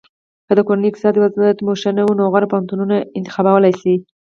که د کورنۍ اقتصادي وضعیت مو ښه وي نو غوره پوهنتونونه انتخابولی شی.